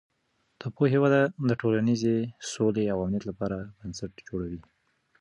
د پوهې وده د ټولنیزې سولې او امنیت لپاره بنسټ جوړوي.